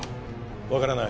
分からない